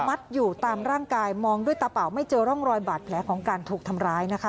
อยู่ตามร่างกายมองด้วยตาเปล่าไม่เจอร่องรอยบาดแผลของการถูกทำร้ายนะคะ